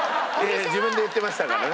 自分で言ってましたからね。